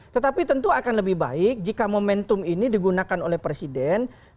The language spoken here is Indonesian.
tetapi tentu akan lebih baik jika momentum ini digunakan oleh presiden